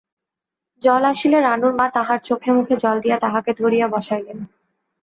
জল আসিলে রানুর মা তাহার চোখে মুখে জল দিয়া তাহাকে ধরিয়া বসাইলেন।